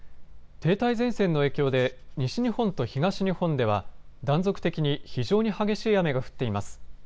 停滞前線の影響で西日本と東日本では断続的に非常に激しい雨が降っています。